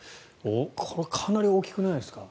かなり大きくないですか。